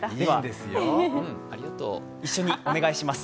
一緒にお願いします。